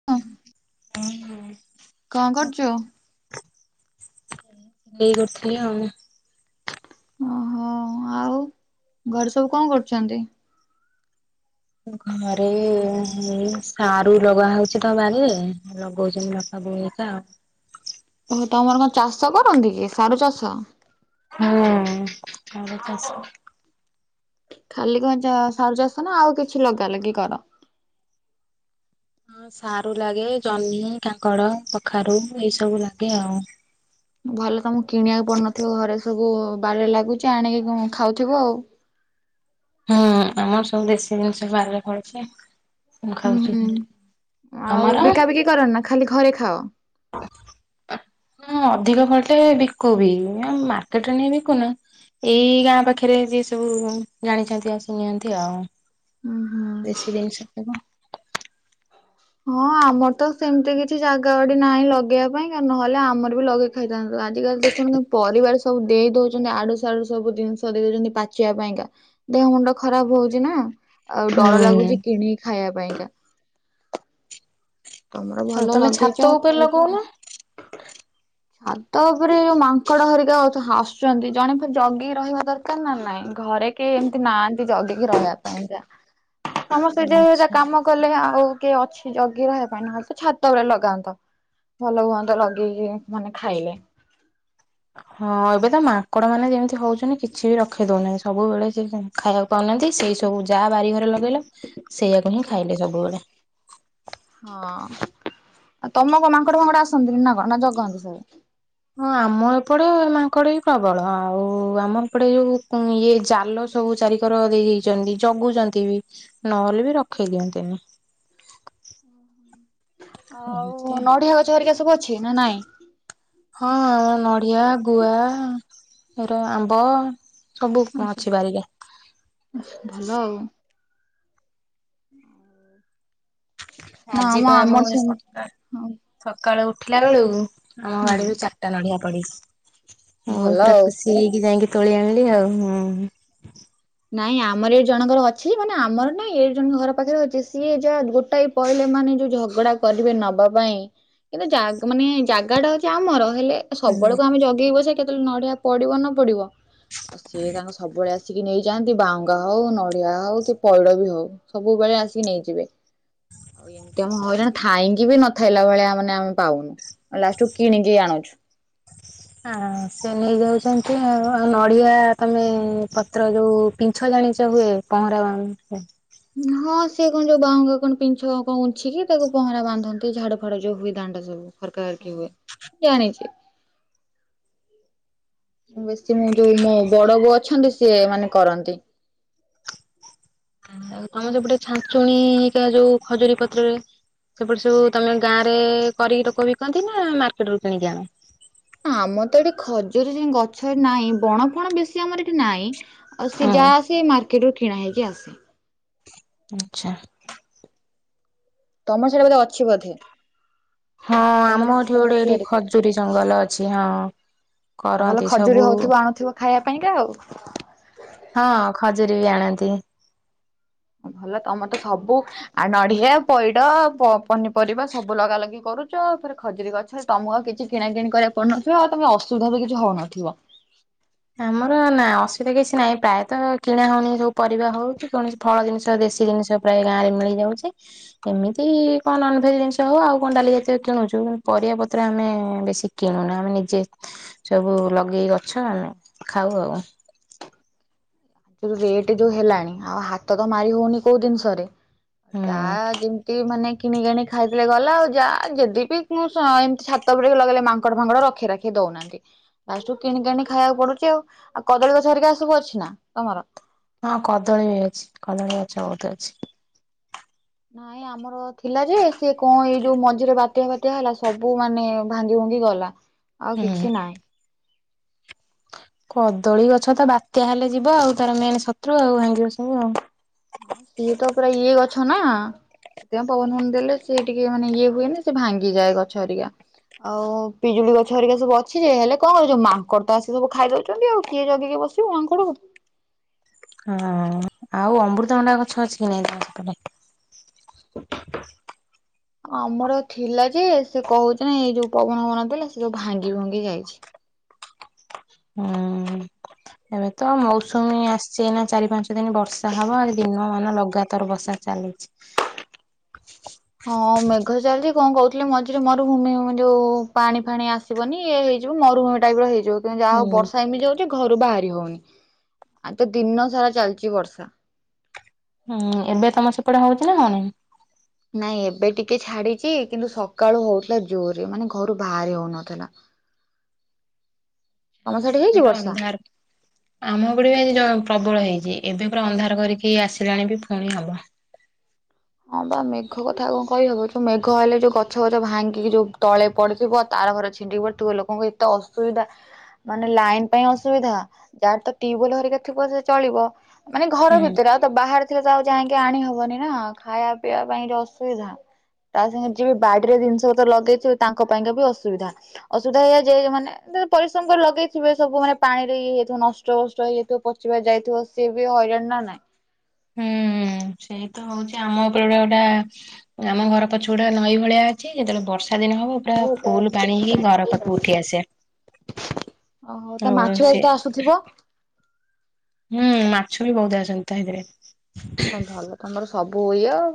ହଁ ହ କଣ କରୁଛୁ ଏଇ ଉଠିଲି ଆଉ ଓହୋ ଆଉ ଘରେ ସବୁ କଣ କରୁଛନ୍ତି ଘରେ ଏ ସାରୁ ଲଗା ହଉଛି ତ ବାରିରେ ଲଗଉଛନ୍ତି ବାପା ବୋଉ ହରିକା ଓହୋ ତମର କଣ ଚାଷ କରନ୍ତି କି ସାରୁ ଚାଷ ହୁଁ ଆମର ଚାଷ ଖାଲି କଣ ସାରୁ ଚାଷ ନା ଆଉ କିଛି ଲଗା ଲାଗି କର? ହଁ ସାରୁ ଲାଗେ ଜହ୍ନି, କାଙ୍କଡ଼, କଖାରୁ ଏଇ ସବୁ ଲାଗେ ଆଉ। ଭଲ ତମକୁ କିଣିବାକୁ ପଡୁନଥିବ ଘରେ ସବୁ ବାଡିରେ ଲାଗୁଛି ଆଣିକି ଖାଉଥିବ ଆଉ। ହୁଁ ଆମର ସବୁ ଦେଶୀ ଜିନିଷ ବାଡିରେ ଫଳୁଛି ଆଉ। ହୁଁ ହୁଁ ଆଉ ତମର? ବିକା ବିକି କରନା ଖାଲି ଘରେ ଖାଅ? ହ [inaudible] ହଁ ଅଧିକ ଫଳିଲେ ବିକୁ ବିି ମାର୍କେଟରେ ନେଇ ବିକୁନା ଏଇ ଗାଁ ପାଖରେ ଯିଏ ସବୁ ଜାଣିଛନ୍ତି ଆସିକି ନିଅନ୍ତି ଆଉ। ଉଁ ହୁଁ ଦେଶୀ ଜିନିଷ ସବୁ। ହଁ ଆମର ତ ସେମିତି କିଛି ଜାଗା ବାଡି ନାହିଁ ଲଗେଇବା ପାଇଁ ନହେଲେ ଆମର ବି ଲଗେଇ ଖାଇଥାନ୍ତୁ ଆଜିିକାଲି ଦେଖନ୍ତୁ ପରିବାର ସବୁ ଦେଇ ଦଉଛନ୍ତି ଇଆଡୁ ସିଆଡୁ ସବୁ ଜିନିଷ ଦେଇ ଦଉଛନ୍ତି ପାଚିବା ପାଇଁକା ଦେହ ମୁଣ୍ଡ ଖରାପ ହଉଛି ନା ଆଉ ଡର ହୁଁ। ଲାଗୁଛି କିଣିକି ଖାଇବା ପାଇଁକା। ତମର ହଁ ଭଲ ତମେ ଛାତ ଲଗେଇଛ ଆଉ ଉପରେ ଖାଉଛ। ଲଗଉନ ଛାତ ଉପରେ ଯୋଉ ମାଙ୍କଡ ହରିକା ଆସୁଛନ୍ତି ଜଣେ ତ ଜଗିକି ରହିବା ଦରକାର ନା ନାଇଁ ଘରେ କେହି ଏମିତି ନାହାନ୍ତି ଜଗିକି ରହିବା ପାଇଁ, ସମସ୍ତେ ଯେ ଆଚ୍ଛା। କାମ କଲେ ଆଉ କିଏ ଅଛି ଜଗି ରହିବା ପାଇଁ ନ ହେଲେ ତ ଛାତ ଉପରେ ଲଗାନ୍ତ। ଭଲ ହୁଅନ୍ତା ଲଗେଇକି ମାନେ ଖାଇଲେ। ହଁ, ଏବେ ତ ମାଙ୍କଡ ମାନେ ଯେମିତି ହଉଛନ୍ତି କିଛି ବି ରଖେଇଦଉନାହାନ୍ତି ସବୁବେଳେ ସେ ଖାଇଆକୁ ପାଉନାହାନ୍ତି, ସେଇ ସବୁ ଯାହା ବାରି, ଘରେ ଲଗେଇଲେ ସେଇଆକୁ ହିଁ ଖାଇଲେ ସବୁବେଳେ। ହଁ, ଆଉ ତମର କଣ ମାଙ୍କଡ ଫାଙ୍କଡ ଆସନ୍ତିନି ନା କଣ ନା ଜଗନ୍ତି। ହଁ, ଆମ ଏପଟେ ମାଙ୍କଡ ବି ପ୍ରବଳ ଆଉ ଆମ ଏପଟେ ଯୋଉ ଉଁ ଇଏ ଜାଲ ସବୁ ଚାରିିକର ଦେଇ ଦେଇଛନ୍ତି ଜଗୁଛନ୍ତି ବି ନହେଲେ ବି ରଖେଇ ଦିଅନ୍ତିନି। ଏମିତି। ଆଉ ନଡିଆ ଗଛ ହରିକା ସବୁ ଅଛି ନା ନାଇଁ? ହଁ, ନଡିଆ, ଗୁଆ ଏର ଆମ୍ବ ସବୁ କଣ ଅଛିି ବାରିରେ। ଭଲ ଆଉ। ନା ଆଜିି ଆମ ପା ମୁଁ ଆମର ସେମିତି ସକାଳେ ହଁ ସକାଳୁ ଉଠିଲା ବେଳକୁ ଆମ ହୁଁ ବାଡ଼ିରୁ ଚାରିଟା ନଡିଆ ପଡିଛି ମୁଁ ଭଲ ପୁରା ଆଉ। ଖୁସି ହେଇକି ଯାଇକି ତୋଳି ଆଣିଲି ଆଉ। ହୁଁ! ନାଇଁ, ଆମର ବି ଜଣଙ୍କର ଅଛି। ମାନେ ଆମର ନାଇଁ ଏଇଠି ଜଣଙ୍କ ଘର ପାଖରେ ଅଛି ସିଏ ଯାହା ଗୋଟାଏ ପଇଲେ ମାନେ ଯୋଉ ଝଗଡା କରିବେ ନବା ପାଇଁ କିନ୍ତୁ ଜାଗା ମାନେ ଜାଗା ଟା ହଉଛି ଆମର ହେଲେ ହୁଁ। ସବୁବେଳେ କଣ ଆମେ ଜଗିକି ବସିବା କେତେବେଳେ ନଡିଆ ପଡିବ ନ ପଡିବ। ସିଏ ତାଙ୍କ ସବୁବେଳେ ଆସିକି ନେଇ ଯାନ୍ତି, ବାଉଙ୍ଗା ହଉ, ନଡିଆ ହଉ, କି ପଇଡ଼ ବି ହଉ ସବୁବେଳେ ଆସିକି ନେଇଯିବେ। ଏମିତି ଆମ ହଇରାଣ ଥାଇଁକି ବି ନଥାଇଲା ଭଳିଆ ମାନେ ଆମେ ପାଉନୁ। ଲାଷ୍ଟ କୁ କିଣିକି ଆଣୁଛୁ। ହଁ, ସେ ନେଇଯାଉଛନ୍ତି ଆଉ। ଆଉ ନଡ଼ିଆ ତମେ ପତ୍ର ଯୋଉ ପିଛ ଜାଣିଛ ହୁଏ ପହଁରାରେ। ହଁ, ସେ କଣ ଯୋଉ ବାହୁଙ୍ଗା କଣ ପିଛ କଣ ଉଛିିକି ତାକୁ ପହଁରା ବାନ୍ଧନ୍ତି ଝାଡୁ ଫାଡୁ ଯୋଉ ହୁଏ ଦାଣ୍ଡ ସବୁ। ଖରକା ଖରିକି ହୁଏ। ଜାଣିଛି। ବେଶୀ ମୁଁ ଯୋଉ ମୋ ବଡ ବୋଉ ଅଛନ୍ତି ସିଏ ମାନେ କରନ୍ତି। ଆଉ ତମର ଯୋଉ ପଟେ ଛାଞ୍ଚୁଣୀ ଘାରିକା ଯୋଉ ଖଜୁରୀ ପତ୍ରରେ ସେପଟେ ସବୁ ତମେ ଗାଁରେ କରିକି ଲୋକ ବିକନ୍ତି ନା ମାର୍କେଟ ରୁ କିଣିକି ଆଣ। ଆମର ତ ଏଠି ଖଜୁରି ଗଛ ନାହିଁ। ବଣ ଫଣ ବେଶୀ ଆମର ଏଠି ନାହିଁ। ଆଉ ସେ ହୁଁ ଯାହାଆସେ ମାର୍କେଟ ରୁ କିଣା ହେଇକି ଆସେ। ଆଚ୍ଛା! ତମର ସିଆଡେ ବୋଧେ ଅଛି ବୋଧେ? ହଁ, ତମେ ତ ଆମ ହାତ ଏଠି ଫାତ ଗୋଟେ ଏଠି ତିଆରି କର। ଖଜୁରୀ ଜଙ୍ଗଲ ଅଛି। ହଁ, ଆଉ ଭଲ କରନ୍ତି ଖଜୁରୀ ସବୁ ହଉଥିବ ଆଣୁଥିବ ଖାଇବା ପାଇଁକା ଆଉ। ହଁ, ଖଜୁରୀ ବି ଆଣନ୍ତି। ଭଲ ତମର ତ ସବୁ ଆଉ ନଡିଆ, ପଇଡ, ପ ପନିପରିବା ସବୁ ଲଗା ଲଗି କରୁଛ। ଫେରେ ରେ ଖଜୁରୀ ଗଛ ତମକୁ ଆଉ କିଛି କିଣା କିିଣି କରିବାକୁ ପଡୁ ନଥିବ। ଆଉ ତମେ ଅସୁବିଧା ବି କିଛି ହଉନଥିବ। ଆମର ନା ଅସୁବିଧା କିଛି ନାହିଁ। ପ୍ରାୟତଃ କିଣା ହଉନି ଯୋଉ ପରିବା ହଉ କି କୌଣ ଫଳ ଜିନିଷ ଦେଶୀ ଜିନିଷ ପ୍ରାୟ ଗାଁରେ ମିଳିଯାଉଛି। ଏମିତି କଣ ନନ ଭେଜ ଜିନିଷ ହଉ ଆଉ କଣ ଡାଲି ଜାତୀୟ କିଣୁଛୁ। କିନ୍ତୁ ପରିବା ପତ୍ର ଆମେ ବେଶୀ କିଣୁନୁ। ଆମେ ନିଜେ ସବୁ ଲଗେଇ ଗଛ ଆମେ ଖାଉ ଆଉ ରେଟ ଯୋଉ ହେଲାଣି ଆଉ ହାତ ତ ମାରି ହଉନି କୋଉ ଜିନିଷରେ। ତା ହୁଁ ଯେମିତି ମାନେ କିନିକି ଆଣିକି ଖାଇ ଦେଲେ ଗଲା ଆଉ ଯା ଯଦି ମୁଁ ଏମିତି ଛାତ ଉପୁଡିକ ଲଗେଇଲେ ମାଙ୍କଡ଼ ଫାଙ୍କଡ ରଖି ରାଖି ଦଉନାହାନ୍ତି ଲାଷ୍ଟକୁ କିଣିକି ଆଣିକି ଖାଇବାକୁ ପଡୁଛି ଆଉ ଆଉ କଦଳୀ ଗଛ ହରକା ସବୁ ଅଛି ନାଁ ତମର? ହଁ କଦଳୀ ଅଛି। କଦଳୀ ଗଛ ବହୁତ୍ ଅଛି। ନାଇଁ ଆମ ଆମର ଥିଲା ଯେ ସେ କଣ ଏଇ ଯୋଉ ମଝିରେ ବାତ୍ୟା ଫାତିଆ ହେଲା ସବୁ ମାନେ ଭାଙ୍ଗି ଭୁଙ୍ଗି ଗଲା। ଆଉ ହୁଁ କିଛି ନାହିଁ। କଦଳୀ ଗଛ ତ ବାତ୍ୟା ହେଲେ ଯିବ ଆଉ ତାର ମେନ ଶତ୍ରୁ ଆଉ ଭାଙ୍ଗିବ ସବୁ ଆଉ। ଇଏ ତ ପୁରା ଇଏ ଗଛ ନାଁ। ସେଥିପାଇଁ ପବନ ଫବନ ଦେଲେ ସେ ଟିକେ ମାନେ ଇଏ ହୁଏନି ସେ ଭାଙ୍ଗିଯାଏ ଗଛ ହେରିକା। ଆଉ ପିଜୁଳି ଗଛ ହରିକା ସବୁ ଅଛି ଯେ ହେଲେ କଣ ହବ ମାଙ୍କଡ ତ ଆସିକି ସବୁ ଖାଇ ଦଉଚନ୍ତି ଆଉ। କିଏ ଜଗିକି ବସିବ ମାଙ୍କଡ଼କୁ। ହଁ ଆଉ ଅମୃତଭଣ୍ଡା ଗଛ ଅଛି କି ନାଇଁ ତମର ସେପଟେ? ଆମର ଥିଲା ଯେ ସେ କଣ ହଉଛି ନାଁ ଏଇ ଯୋଉ ପବନ ପବନ ଥିଲା ସେ ଯୋଉ ଭାଙ୍ଗି ଭୁଙ୍ଗି ଯାଇଛି। ହୁଁ ଏବେ ତ ମୌସୁମୀ ଆସଚି ଏନା ଚାରି ପାଞ୍ଚ କେତେଦିନି ବର୍ଷା ହବ ଆଜି ଦିନ ମାନ ଲଗାତାର ବର୍ଷା ଚାଲିଛି। ହଁ ମେଘ ଚାଲିଚି କଣ କହୁଥିଲି ମଝିରେ ମରୁଭୂମି ଯୋଉ ପାଣି ଫାଣି ଆସି ଯିବନି ଇ ହେଇଯିବ ମରୁଭୂମି ଟାଇପ୍ ର ହେଇଯିବ। ତୁ ଯାହା ହଉ ହୁଁ ବର୍ଷା ଏମିତି ଯାଉଚି ଘରୁ ବାହାରି ହଉନି ଆଉ ତ ଦିନ ସାରା ଚାଲିଚ ବର୍ଷା। ହୁଁ ଏବେ ତମ ସେପଟେ ହଉଛି ନାଁ ହଉନି? ନାଇଁ ଏବେ ଟିକେ ଛାଡିଚି କିନ୍ତୁ ସକାଳୁ ହଉଥିଲା ଜୋରେ ମାନେ ଘରୁ ବାହାରି ହଉନଥିଲା। [inaudible] ସେଠି ହେଇଛି ଏବେତ ବର୍ଷା? ଅନ୍ଧାର। ଆମ ପଟେ ବି ପ୍ରବଳ ହେଇଛି ଏବେ ପୁରା ଅନ୍ଧାର କରିକି ଆସିଲାଣି ବି ପୁଣି ହବ। ହଁ ବା ମେଘ କଥା କଣ କହିହବ ଯୋଉ ମେଘ ହେଲେ ଯୋଉ ଗଛ ପଛ ଭାଙ୍ଗିକି ଯୋଉ ତଳେ ପଡିଥିବ। ତାର ଘରେ ଛିଣ୍ଡିପଡୁଥିବ ଲୋକଙ୍କୁ ଏତେ ଅସୁବିଧା। ମାନେ ଲାଇନ୍ ପାଇଁ ଅସୁବିଧା ଯାହାର ତ ଟ୍ୟୁବଲ ହରୀକା ଥିବ ସେ ଚଳିବ। ମାନେ ହୁଁ ଘର ଭିତରେ ଆଉ ତ ବାହାରେ ଥିଲେ ତ ଆଉ ଯାଇକି ଆଣି ହବନି ନାଁ। ଖାଇବା ପିଇବା ପାଇଁ ଯଉ ଅସୁବିଧା। ତା ସାଙ୍ଗେ ଯିଏ ବି ବାଡିରେ ଜିନିଷପତ୍ର ଲଗେଇଥିବ ତାଙ୍କ ପାଇଁକା ବି ଅସୁବିଧା। ଅସୁବିଧା ହେଇଯାଇ ମାନେ ପରିଶ୍ରମ ଲଗେଇଥିବେ ସବୁ ମାନେ ପାଣିରେ ଇଏ ହେଇଥିବ ନଷ୍ଟ ଯଷ୍ଟ ହେଇଯାଇଥିବ ପଚି ପାଚି ଯାଇଥିବ ସିଏ ବି ହଇରାଣ ନାଁ ନାଇଁ? ହୁଁ ସେଇ ତ ହଉଚି ଆମ ବେଳଟା ଆମ ଘର ପଛପଟା ନଈ ଭଳିଆ ଅଛି ଯେତେବେଳେ ବର୍ଷା ଦିନ ହବ ପୁରା ଓହୋ ଫୁଲ ପାଣି ହେଇ ଘର ପାଖକୁ ଉଠି ଆସେ। ଓହୋ ତା ଆଉ ମାଛ ସେ ପାଛ ତ ଆସୁଥିବ? ହୁଁ ମାଛ ବି ବହୁତ୍ ଆସନ୍ତି ତାହିବିରେ। ତମେ ଭଲ ତମର ସବୁ ଇଏ ଆଉ।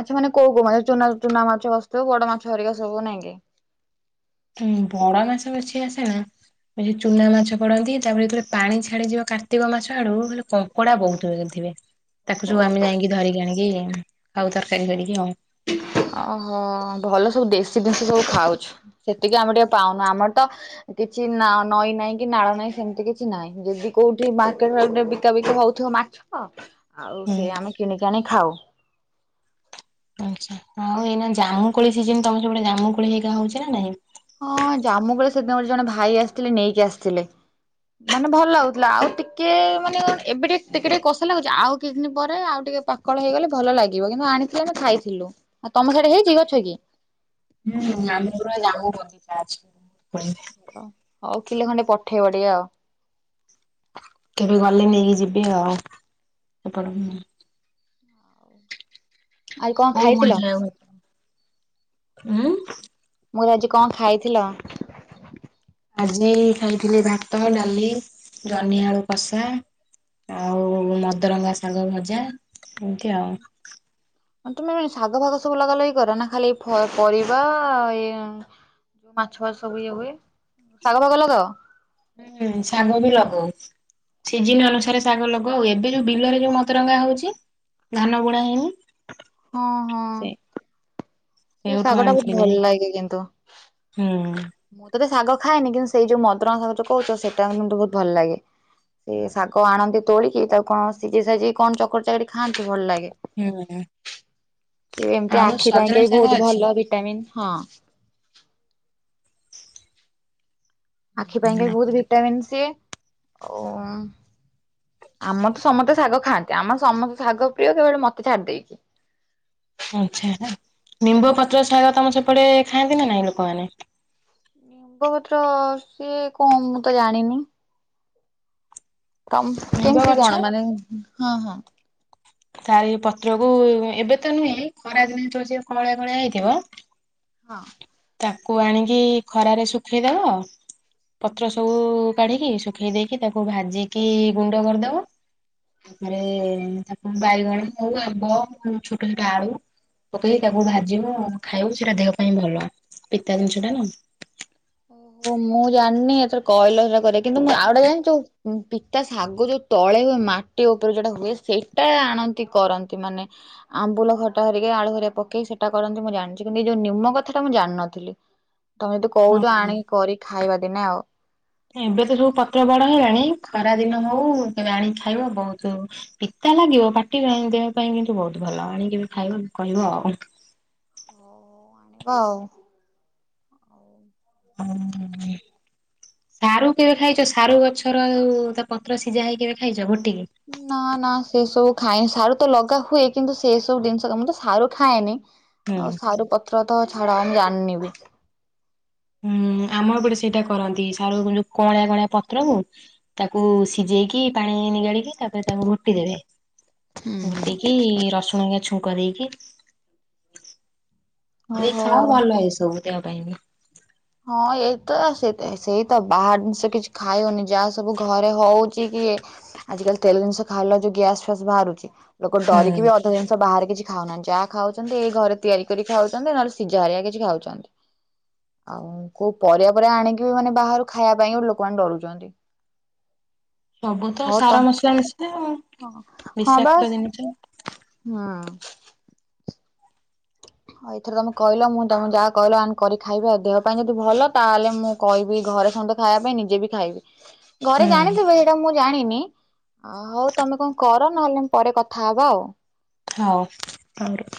ଆଚ୍ଛା ମାନେ କଉ କଉ ଚୁନା ମାଛ ଭାସୁଥିବ ବଡ ମାଛ ହରିକା ସବୁ ନାଁ କି? ହୁଁ ବଣ ମାଛ ବେଶୀ ଆସେ ନାଁ। ଚୁନା ମାଛ ପଡନ୍ତି ତାପରେ ଯେତେବେଳେ ପାଣି ଛାଡିଯିବ କାର୍ତ୍ତିକ ମାଛ ଆଡୁ ବଲେ କ କଡା ବହୁତ୍ ଥିବେ ତାକୁ ସବୁ ଆମେ ଯାଇକି ଧରିକି ଆଣିକି ଖାଉ ଆଉ ତରକାରୀ କରିକି ଆଉ। ଓହୋ ଭଲ ସବୁ ଦେଶୀ ଦେଶୀ ସବୁ ଖାଉଛୁ। ସେତିକି ଆମେ ଟିକେ ପାଉନୁ ଆମର ତ କିଛି ନାଁ ନଈ ନାହିଁ କି ନାଳ ନାହିଁ ସେମିତି କିଛି ନାହିଁ ଯଦି କୋଉଠି ମାର୍କେଟ ବିକା ବିକି ହଉଥିବ ମାଛ୍। ହଁ ଆଉ ହୁଁ ସେ ଆମେ କିଣିକାଣି ଖାଉ। ଆଛା ଆଉ ଏଇନା ଜାମୁକୋଳି ସିଜିନ୍ ତମେ ସେପଟେ ଜାମୁକୋଳି ହେଇକା ହଉଛି ନା ନାଇଁ? ହଁ ଜାମୁ କୋଳି ସେଦିନ ଗୋଟେ ଜଣେ ଭାଇ ଆସିଥିଲେ ନେଇକି ଆସିଥିଲେ। ମାନେ ଭଲ ଲାଗୁଥିଲା ଆଉ ଟିକେ ମାନେ ଏବେ ଟିକେ ଟିକେ ଟିକେ କଷା ଲାଗୁଛି ଆଉ କିଛି ଦିନ ପରେ ଆଉ ଟିକେ ପାକ୍ କଳ ହେଇଗଲେ ଭଲ ଲାଗିବ କିନ୍ତୁ ଆଣିଥିଲେ ଆମେ ଖାଇଥିଲୁ। ଆଉ ତମ ସେଇଠୀ ହେଇଛି ଗଛ କି? ହୁଁ ଆମ ପୁରା ଜାମୁ ବଗିଚା ଅଛି। [unintelligible] ହଉ ହଉ କିଲେ ଖଣ୍ଡେ ପଠେଇବ ଟିକେ ଆଉ। କେବେ ଗଲେ ନେଇକି ଯିବି ଆଉ ଏପଟ ହୁଁ। ଆଜି କଣ କୋଉ ଖାଇଥିଲ [unintelligible] ହୁଁ ମୁଁ ଆଜି କଣ ଖାଇଥିଲ? ଆଜି ଖାଇଥିଲି ଭାତ ଡାଲି ଜହ୍ନିଆଳୁ କଷା। ଆଉ ମଦରଙ୍ଗା ଶାଗ ଭଜା ଏମିତି ଆଉ। ଅ ତୁମେ ଶାଗ ଫାଗ ସବୁ ଲଗା ଲଗି କର ନା ଖାଲି ଫ ପରିବା ଏଇ ଉଁ ମାଛ ସବୁ ଇଏ ହୁଏ। ଶାଗ ଫାଗ ଲଗାଅ? ହୁଁ ଶାଗ ବି ଲଗଉ। ସିଜିନ ଅନୁସାରେ ଶାଗ ଲଗଉ ଆଉ ଏବେ ଯୋଉ ବିଲରେ ଯୋଉ ମଦରଙ୍ଗା ହଉଛି ଧାନ ବୁଣା ହେଇନି। ହଁ ସେ ହଁ। ସେ ସେଇଠୁ ଶାଗ ଟା ବହୁତ ଆଣିଥିଲି ଭଲ ଯାଇକି ଲାଗେ କିନ୍ତୁ। ହୁଁ। ମୁଁ ତ ବେ ଶାଗ ଖାଏନି କିନ୍ତୁ ସେଇ ଯୋଉ ମଦୁରଙ୍ଗା [unintelligible] କହୁଛ ସେଇଟା ମତେ ବହୁତ ଭଲ ଲାଗେ। ସେ ଶାଗ ଆଣନ୍ତି ତୋଳିକି ତାକୁ କଣ ସିଝି ଶାଜି କଣ ଚକଟି ଚାକଟି ଖାଆନ୍ତି ଭଲ ଲାଗେ। ହୁଁ ଏ ଏମିତି ଆଉ ଆଖି ସଜନା ପାଇଁକା ବି ଶାଗ ବହୁତ ଅଛି। ଭଲ ଭିଟାମିିନ ହଁ। ଆଖି ପାଇଁକା ବହୁତ ଭିଟାମିନ୍ ସିଏ ଓ ଉଁ ଆମର ତ ସମସ୍ତେ ଶାଗ ଖାଆନ୍ତି ଆମର ସମସ୍ତେ ଶାଗ ପ୍ରିୟ କେବଳ ମତେ ଛାଡି ଦେଇକି। ଆଚ୍ଛା। ନିମ୍ବ ପତ୍ର ଶାଗ ତମ ସେପଟେ ଖାଆନ୍ତି ନା ନାଇଁ ଲୋକମାନେ? ନିମ୍ବପତ୍ର ସିଏ କଣ ମୁଁ ତ ଜାଣିନି। ତ ନିମ୍ବ କେମତି ଗଛ କଣ ମାନେ? ହଁ ହଁ। ତାର ପତ୍ର କୁ ଏବେ ତ ନୁହେଁ ଖରା ଦିନେ ତ ସିଏ କଁଳିଆ କଁଳିଆ ହେଇଥିବ। ହଁ। ତାକୁ ଆଣିକି ଖରାରେ ଶୁଖେଇଦେବ। ପତ୍ର ସବୁ କାଢ଼ିକି ଶୁଖେଇ ଦେଇକି ତାକୁ ଭାଜିକି ଗୁଣ୍ଡ କରିଦେବ। ତାପରେ ତାକୁ ବାଇଗଣ ହଉ ଆମ୍ବ ଛୋଟ ଛୋଟ ଆଳୁ ପକେଇ ତାକୁ ଭାଜିବୁ ଆଉ ଖାଇବୁ ସେଇଟା ଦେହ ପାଇଁ ଭଲ। ପିତା ଜିନିଷ ଟା ନା। ଓହୋ ମୁଁ ଜାଣିନି ଏଥର କଇଲ ସେରା କରିବା କିନ୍ତୁ ମୁଁ ଆଉ ଗୋଟେ ଜାଣିଛୁ ଉଁ ପିତା ଶାଗ ଯୋଉ ତଳେ ମାଟି ଉପରେ ଯୋଟା ହୁଏ ସେଇଟା ଆଣନ୍ତି କରନ୍ତି ମାନେ ଆମ୍ବୁଲ ଖଟା ହରିକି ଆଳୁଆ ହରିକା ପକେଇି ସେଟା କରନ୍ତି ମୁଁ ଜାଣିଛି କିନ୍ତୁ ଏଇ ଯୋଉ ନିମ କଥାଟା ମୁଁ ଜାଣିନଥିଲି। ତମେ ଯଦି କହୁଛ ହଁ। ଆଣିକି କରିିକି ଖାଇବା ଦିନେ ଆଉ। ଏବେ ତ ସବୁ ପତ୍ର ବଡ ହେଇଗଲାଣି ଖରା ଦିନ ହଉ ତେବେ ଆଣିକି ଖାଇବା ବହୁତ ପିତା ଲାଗିବ ପାଟି ପାଇଁ ଦେହ ପାଇଁ କିନ୍ତୁ ବହୁତ ଭଲ ଆଣିକି ବି ଖାଇବ କହିବ ଆଉ। ହଉ ହଉ ଆଣିବି। ହଉ। ସାରୁ କେବେ ଖାଇଛ? ସାରୁ ଗଛର ତା ପତ୍ର ସିଝା ହେଇ କେବେ ଖାଇଛ? ଗୋଟିକି। ନା ନା ସେ ସବୁ ଖାଏ ସାରୁ ତ ଲଗା ହୁଏ କିନ୍ତୁ ସେ ସବୁ ଜିନିଷ କ ମୁଁ ତ ସାରୁ ଖାଏନି। ହୁଁ ଆଉ ସାରୁ ପତ୍ର ତ ଛାଡ ଆମ୍ ଜାଣନିବି। ହୁଁ ଆମ ଏପଟେ ସେଇଟା କରନ୍ତି ସାରୁ ଯୋଉ କଅଁଳିଆ କଅଁଳିଆ ପତ୍ର କୁ ତାକୁ ସିଝେଇକି ପାଣି ନିଗାଡିକି ତାପରେ ତାକୁ ଘୁଟି ଦେବେ। ହୁଁ ହୁଁ। ଘୁଟିକି ରସୁଣ ନିଆ ଛୁଙ୍କ ଦେଇକି ବେ ଓହୋ। ଖାଅ ଭଲ ଏଇ ସବୁ ଦେହ ପାଇଁ ବି। ହଁ ଏଇତ ସେଇତ ସେଇତ ବାହାର ଜିନିଷ କିଛି ଖାଇ ହଉନି ଯାହା ସବୁ ଘରେ ହଉଛି କି ଆଜିକାଲି ତେଲ ନିଷ ଖାଇଲା ଯୋଉ ଗ୍ୟାସ୍ ଫ୍ୟାସ୍‌ ବାହାରୁଛି ଲୋକ ଡରିକି ହୁଁ ବି ଅଧ ଜିନିଷ ବାହାରେ କିଛି ଖାଉନାହାନ୍ତି ଯାହା ଖାଉଛନ୍ତି ଏଇ ଘରେ ତିଆରି କରି ଖାଉଛନ୍ତି ନହେଲେ ସିଝା ହାରିଆ କିଛି ଖାଉଛନ୍ତି। ଆଉ କୋଉ ପରିବା ଫରିବା ଆଣିକି ବି ମାନେ ବାହାରୁ ଖାଇବା ପାଇଁ ଲୋକମାନେ ଡରୁଛନ୍ତି। ସବୁ ତ ସାର ମସଲା ମିଶିଲେ ଆଉ ବିଷାକ୍ତ ଜିନିଷ ନାଁ। ହ ଏଥରେ ତମେ କହିଲ ମୁଁ ତମେ ଯାହା କହିଲ ଆମେ କରି ଖାଇବା ଦେହ ପାଇଁ ଯଦି ଭଲ ତାହେଲେ ମୁଁ କହିବି ଘରେ ସମସ୍ତେ ଖାଇବା ପାଇଁ ନିଜେ ବି ଖାଇବି ଘରେ ହୁଁ ଜାଣିଥିବେ ସେଇଟା ମୁଁ ଜାଣିନି ହଉ ତମେ କଣ କର ନହେଲେ ପରେ କଥାହବା ଆଉ। ହଉ ତାପରେ